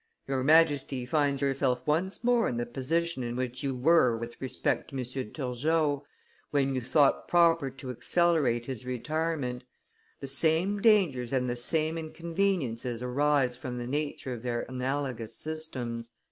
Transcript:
Your Majesty finds yourself once more in the position in which you were with respect to M. Turgot, when you thought proper to accelerate his retirement; the same dangers and the same inconveniences arise from the nature of their analogous systems."